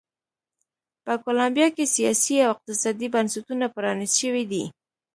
په کولمبیا کې سیاسي او اقتصادي بنسټونه پرانیست شوي دي.